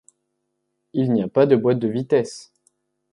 Il n'y a pas de boîte de vitesses.